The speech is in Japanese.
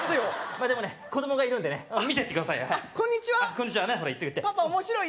まあでもね子供がいるんでね見てってくださいよこんにちはパパ面白い？